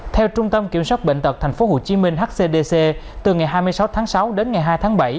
theo trung tâm kiểm soát bệnh tật thành phố hồ chí minh từ ngày hai mươi sáu tháng sáu đến ngày hai tháng bảy